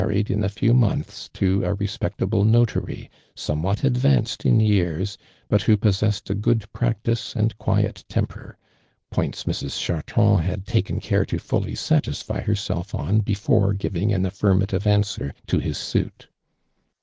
ried in a few months to a res jjectable notary somewhat advanced in years, but who possessed a good practice and quiet temper, points Mrs. (.'hartrand liad taken care to fully satisfy herself on befoie giving an affirmative answer to his .■^uit.